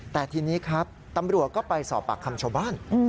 แต่ทีนี้ครับตำรวจก็ไปสอบปากคำชาวบ้าน